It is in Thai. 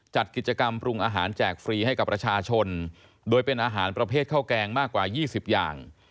จัดกิจกรรมปรุงอาหารแจกฟรีให้กับประชาชนโดยเป็นอาหารประเภทข้าวแกงมากกว่า๒๐อย่าง